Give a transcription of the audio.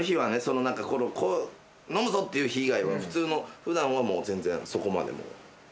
飲むぞっていう日以外は普段は全然そこまでもう。